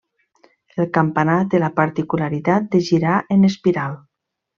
El campanar té la particularitat de girar en espiral.